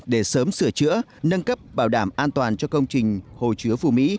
để sớm sửa chữa nâng cấp bảo đảm an toàn cho công trình hồ chứa phù mỹ